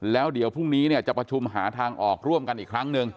แล้วเดี๋ยวพรุ่งนี้เนี่ยจะประชุมหาทางออกร่วมกันอีกครั้งหนึ่ง